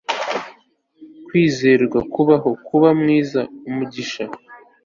kwizerwa-kubaho, kuba-mwiza, umugisha